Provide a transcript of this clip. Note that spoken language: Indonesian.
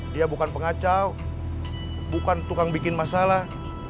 dia bukan pengacau bukan tukang bikin masalah